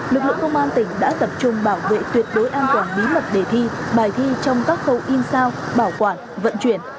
lực lượng công an tỉnh đã tập trung bảo vệ tuyệt đối an toàn bí mật đề thi bài thi trong các khâu in sao bảo quản vận chuyển